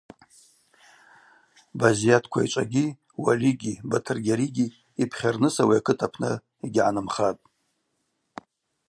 Базйат Квайчӏвагьи, Уалигьи, Батыргьаригьи йпхьарныс ауи акыт апны йыгьгӏанымхатӏ.